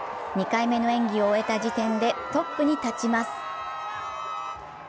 ２回目の演技を終えた時点でトップに立ちます。